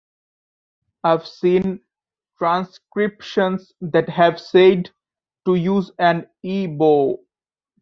I've seen transcriptions that have said to use an E-bow.